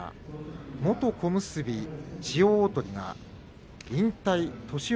元小結千代鳳が引退年寄